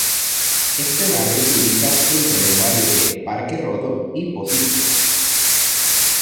Este barrio se ubica entre los barrios de Parque Rodó y Pocitos.